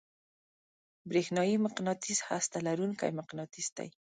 برېښنايي مقناطیس هسته لرونکی مقناطیس دی.